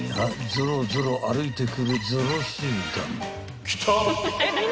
ぞろぞろ歩いてくるぞろ集団］